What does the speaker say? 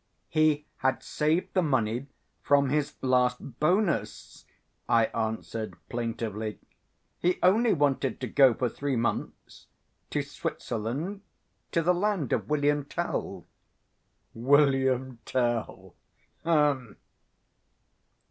"He had saved the money from his last bonus," I answered plaintively. "He only wanted to go for three months to Switzerland ... to the land of William Tell." "William Tell?